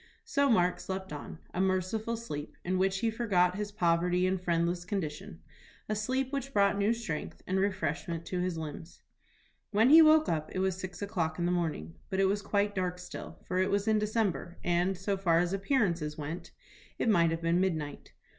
So Mark slept on, a merciful sleep, in which he forgot his poverty and friendless condition; a sleep which brought new strength and refreshment to his limbs. When he woke up it was six o'clock in the morning. But it was quite dark still, for it was in December, and, so far as appearances went, it might have been midnight.